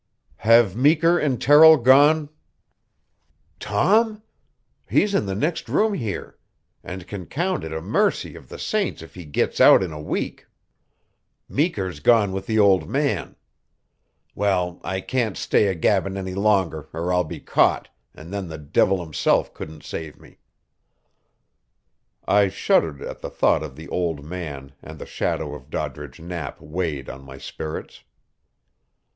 "Have Meeker and Terrill gone?" "Tom? He's in the next room here, and can count it a mercy of the saints if he gits out in a week. Meeker's gone with the old man. Well, I can't stay a gabbin' any longer, or I'll be caught, and then the divil himsilf couldn't save me." I shuddered at the thought of the "old man," and the shadow of Doddridge Knapp weighed on my spirits.